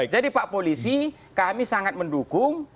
jadi pak polisi kami sangat mendukung